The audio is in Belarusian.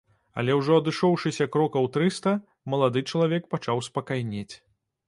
Але ўжо адышоўшыся крокаў трыста, малады чалавек пачаў спакайнець.